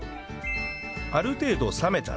ある程度冷めたら